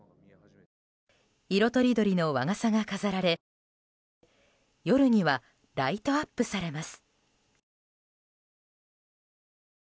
色とりどりの和傘が飾られ夜にはライトアップされます。